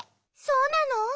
そうなの？